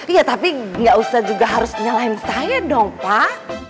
iya tapi gak usah juga harus nyalahin saya dong pak